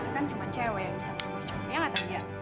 kan cuma cewek yang bisa berubah cowoknya gak tadi ya